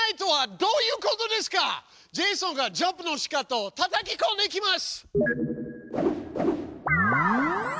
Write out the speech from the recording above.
ジェイソンがジャンプのしかたをたたきこんできます！